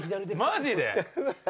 マジで？